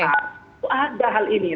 itu ada hal ini